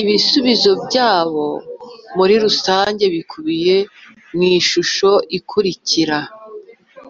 ibisubizo byabo muri rusange bikubiye mu ishusho ikurikira